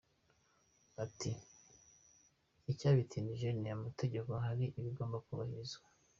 Ati “Icyabitindije ni amategeko, hari ibigomba kubahirizwa.